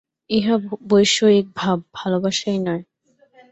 ইহা বৈষয়িক ভাব, ভালবাসাই নয়।